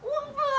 cô nói cái gì đấy